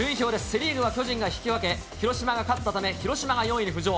セ・リーグは巨人が引き分け、広島が勝ったため、広島が４位に浮上。